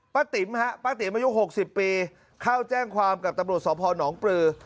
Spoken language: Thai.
ป้าติ๋มครับป้าติ๋มอายุหกสิบปีเข้าแจ้งความกับตำรวจสอบพหนองปลือ